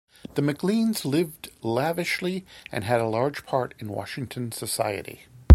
The McLeans lived lavishly and had a large part in Washington society.